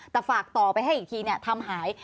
แต่ฝากต่อไปให้อีกทีทำหาย